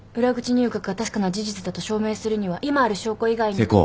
裏口入学が確かな事実だと証明するには今ある証拠以外に。